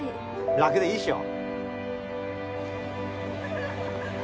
楽でいいでしょ。